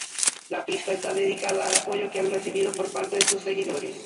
La pista está dedicado al apoyo que han recibido por parte de sus seguidores.